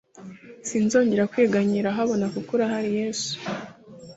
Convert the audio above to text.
sinzongera kwiganyira habona kuko urahari yesu